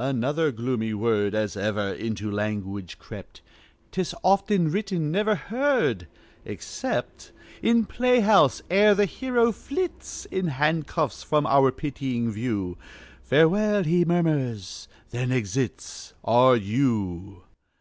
Another gloomy word As ever into language crept. 'Tis often written, never heard, Except In playhouse. Ere the hero flits In handcuffs from our pitying view. "Farewell!" he murmurs, then exits R.U.